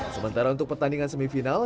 sementara untuk pertandingan semifinal